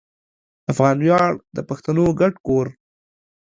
افغان ویاړ د پښتنو ګډ کور